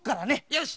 よし！